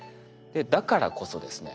だからこそですね